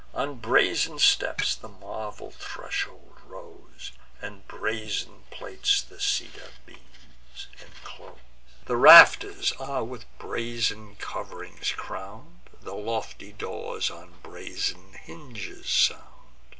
On brazen steps the marble threshold rose, And brazen plates the cedar beams inclose: The rafters are with brazen cov'rings crown'd; The lofty doors on brazen hinges sound.